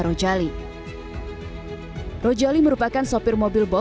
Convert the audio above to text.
farel tidak sendiri di ruangan sakura ini